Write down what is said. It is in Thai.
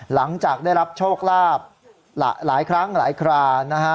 หลังจากได้รับโชคลาภหลายครั้งหลายครานะฮะ